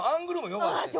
良かった！